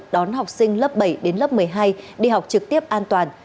đón học sinh lớp bảy đến lớp một mươi hai đi học trực tiếp an toàn